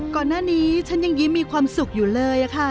ก่อนหน้านี้ฉันยังยิ้มมีความสุขอยู่เลยค่ะ